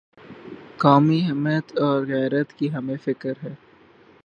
قومی حمیت اور غیرت کی ہمیں فکر ہے۔